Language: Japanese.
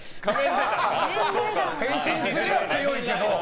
変身すりゃあ、強いけど。